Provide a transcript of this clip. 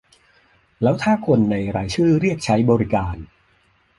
แล้วถ้าคนในรายชื่อเรียกใช้บริการ